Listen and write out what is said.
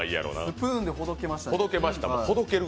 スプーンでほどけましたね。